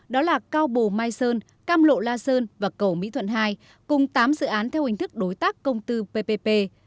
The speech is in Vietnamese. đó là cao bồ mai sơn cam lộ la sơn và cầu mỹ thuận hai cùng tám dự án theo hình thức đối tác công tư ppp